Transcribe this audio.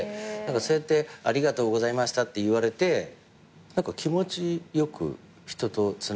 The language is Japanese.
そうやって「ありがとうございました」って言われて気持ちよく人とつながれている。